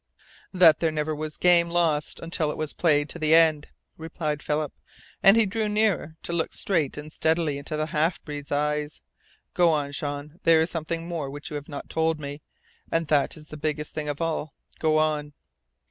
"That there never was a game lost until it was played to the end," replied Philip, and he drew nearer to look straight and steadily into the half breed's eyes. "Go on, Jean. There is something more which you have not told me. And that is the biggest thing of all. Go on!"